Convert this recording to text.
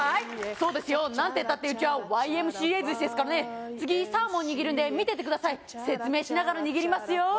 そうですよなんてったってうちはＹＭＣＡ寿司ですからね次サーモン握るんで見ててください説明しながら握りますよ